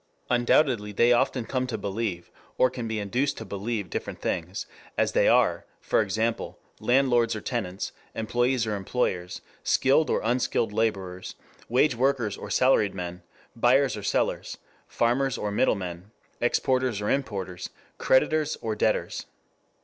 Undoubtedly they often come to believe, or can be induced to believe different things, as they are, for example, landlords or tenants, employees or employers, skilled or unskilled laborers, wageworkers or salaried men, buyers or sellers, farmers or middle men, exporters or importers, creditors or debtors.